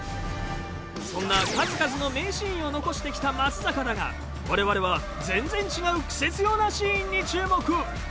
そんな数々の名シーンを残してきた松坂だが我々は全然違うクセ強なシーンに注目。